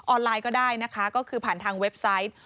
ไลน์ก็ได้นะคะก็คือผ่านทางเว็บไซต์